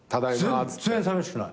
全然さみしくない。